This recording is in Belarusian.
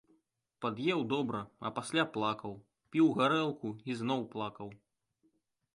Пад'еў добра, а пасля плакаў, піў гарэлку і зноў плакаў.